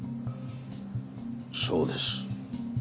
そうです。